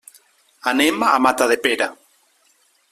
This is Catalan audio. Anem a Matadepera.